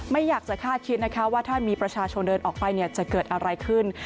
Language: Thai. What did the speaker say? ไม่อยากจะคาดคิดนะคะว่าถ้ามีประชาชนเดินออกไปจะเกิดอะไรขึ้น